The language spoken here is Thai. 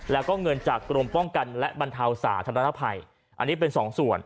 แล้วก็เงินจากกรมป้องกันและบรรเทาสาธารณภัยอันนี้เป็นสองส่วน